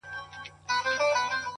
سیاه پوسي ده؛ جنگ دی جدل دی؛